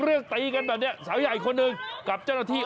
ทุกพี่ศึกษากันกับพัป